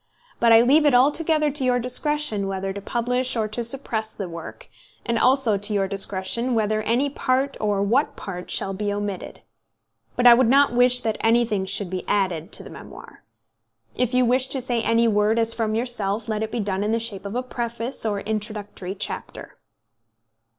But I leave it altogether to your discretion whether to publish or to suppress the work; and also to your discretion whether any part or what part shall be omitted. But I would not wish that anything should be added to the memoir. If you wish to say any word as from yourself, let it be done in the shape of a preface or introductory chapter."